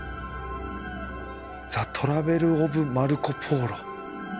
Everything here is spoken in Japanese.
「ザトラベルオブマルコ・ポーロ」。